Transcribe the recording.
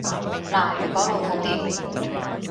嗱，如果老套啲